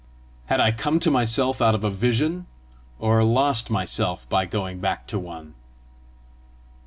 Had I come to myself out of a vision? or lost myself by going back to one?